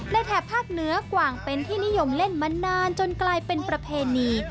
แถบภาคเหนือกว่างเป็นที่นิยมเล่นมานานจนกลายเป็นประเพณี